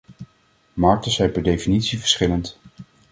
Markten zijn per definitie verschillend.